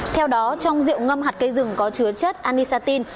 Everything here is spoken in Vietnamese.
theo đó trong rượu ngâm hạt cây rừng có chứa chất anisatin